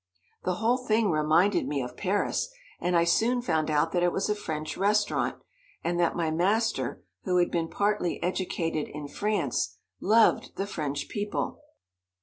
The whole thing reminded me of Paris, and I soon found out that it was a French restaurant, and that my master, who had been partly educated in France, loved the French people.